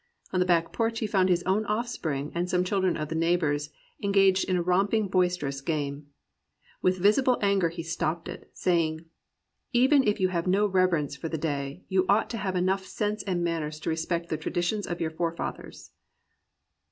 On the back porch he found his own offspring and some children of the neighbours engaged in a romping, boisterous game. With visible anger he stoppled it, saying, " Even if you have no reverence for the day, you ought to have enough sense and manners to resj>ect the traditions of your forefathers."